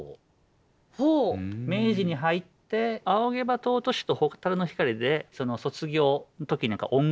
明治に入って「仰げば尊し」と「蛍の光」で卒業の時に音楽を歌う。